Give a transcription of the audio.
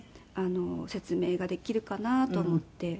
説明ができるかなと思って。